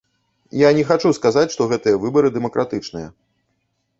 Я не хачу сказаць, што гэтыя выбары дэмакратычныя.